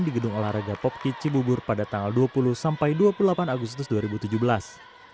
di gedung olahraga popki cibubur pada tanggal dua puluh sampai dua puluh delapan agustus dua ribu tujuh belas